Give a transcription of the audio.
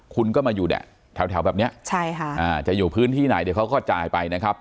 คุณก็มาอยู่เนี่ยแถวแบบเนี้ยใช่ค่ะอ่าจะอยู่พื้นที่ไหนเดี๋ยวเขาก็จ่ายไปนะครับ